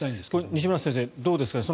西村先生、どうですか。